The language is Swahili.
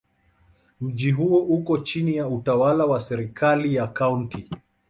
Mji huu uko chini ya utawala wa serikali ya Kaunti.